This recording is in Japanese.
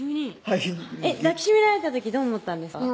抱き締められた時どう思ったんですか？